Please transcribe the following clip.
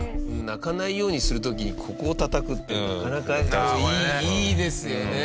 泣かないようにする時にここをたたくってなかなかいいですよね。